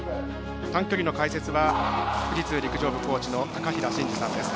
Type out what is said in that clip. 短距離の解説は富士通陸上部コーチの高平慎士さんです。